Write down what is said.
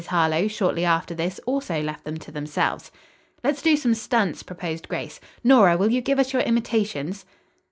Harlowe shortly after this also left them to themselves. "Let's do some stunts," proposed Grace. "Nora, will you give us your imitations?"